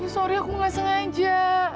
sorry aku nggak sengaja